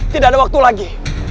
tidak ada waktu lagi